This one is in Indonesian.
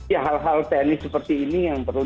ya hal hal teknis seperti ini yang perlu